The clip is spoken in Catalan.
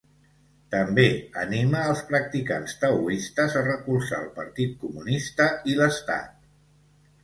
També anima els practicats taoistes a recolzar el Partit Comunista i l'Estat.